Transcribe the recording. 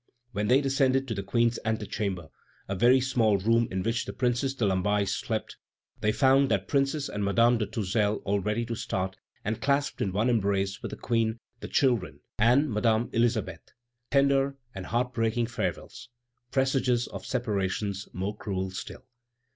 When they descended to the Queen's antechamber, a very small room in which the Princess de Lamballe slept, they found that Princess and Madame de Tourzel all ready to start, and clasped in one embrace with the Queen, the children, and Madame Elisabeth. Tender and heart breaking farewells, presages of separations more cruel still!